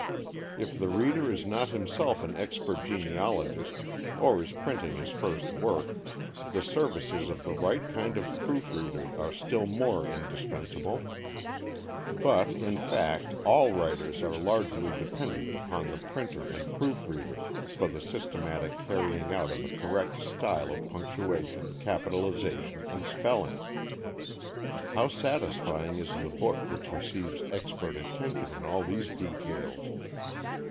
If the reader is not himself an expert genealogist, or is printing his first work, the services of the right kind of proof reader are still more indispensable. But, in fact, all writers are largely dependent upon the printer and proof reader for the systematic carrying out of a correct style of punctuation, capitalization and spelling. How satisfying is the book which receives expert attention in all these details!